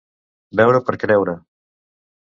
Veure per creure.